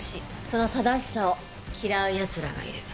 その正しさを嫌う奴らがいる。